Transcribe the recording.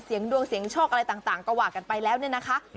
เสียงดวงเสียงโชคอะไรต่างก็ว่ากันไปแล้วเนี่ยนะคะ